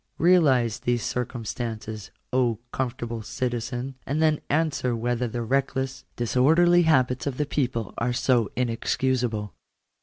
Realize these circumstances, O comfortable citizen, and then answer whether the reckless, disorderly habits of the people are so inexcusable.